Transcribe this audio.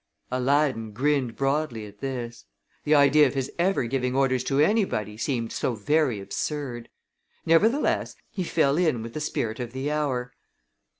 Aladdin grinned broadly at this. The idea of his ever giving orders to anybody seemed so very absurd. Nevertheless, he fell in with the spirit of the hour.